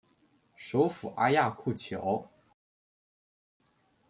首府阿亚库乔。